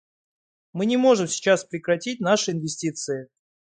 Мы не можем сейчас прекратить наши инвестиции.